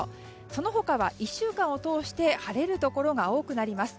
その他は１週間を通して晴れるところが多くなります。